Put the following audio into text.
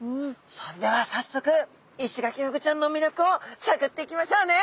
それではさっそくイシガキフグちゃんのみりょくをさぐっていきましょうね。